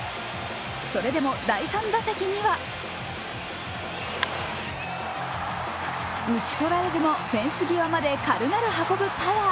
それでも第３打席には打ち取られるも、フェンス際まで軽々運ぶパワー。